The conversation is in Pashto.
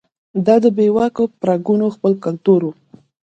دا د بې واکو پرګنو خپل کلتور و.